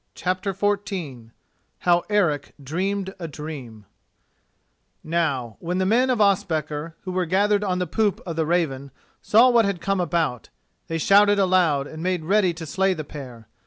CHAPTER XIV HOW ERIC DREAMED A DREAM Now, when the men of Ospakar, who were gathered on the poop of the Raven, saw what had come about, they shouted aloud and made ready to slay the pair.